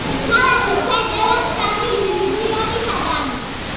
ქალაქი შედგება სამი რაიონისაგან.